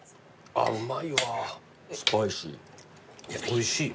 おいしい。